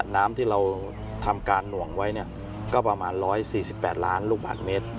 น้ำที่เราทำการหน่วงไว้ก็ประมาณ๑๔๘ล้านลูกบาทเมตร